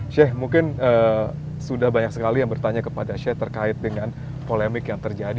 sheikh mungkin sudah banyak sekali yang bertanya kepada sheikh terkait dengan polemik yang terjadi